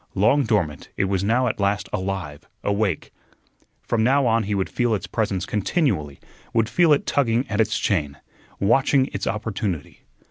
Long dormant, it was now at last alive, awake. From now on he would feel its presence continually; would feel it tugging at its chain, watching its opportunity.